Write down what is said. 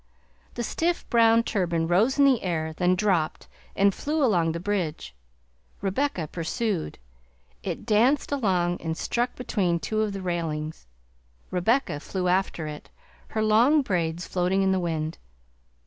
The stiff brown turban rose in the air, then dropped and flew along the bridge; Rebecca pursued; it danced along and stuck between two of the railings; Rebecca flew after it, her long braids floating in the wind.